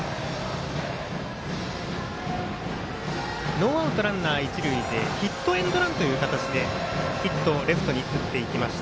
ノーアウト、ランナー、一塁でヒットエンドランという形でヒットをレフトに打っていきました。